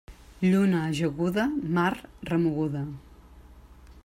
Lluna ajaguda, mar remoguda.